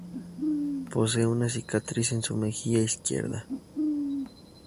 Posee una cicatriz en su mejilla izquierda.